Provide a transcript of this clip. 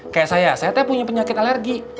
kayak saya saya punya penyakit alergi